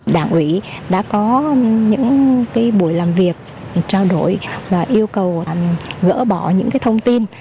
đảng ủy đã có những buổi làm việc trao đổi và yêu cầu gỡ bỏ những thông tin